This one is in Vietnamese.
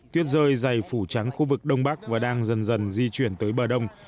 tuyết rơi dày phủ trắng khu vực đông bắc và đang dần dần di chuyển tới bờ đông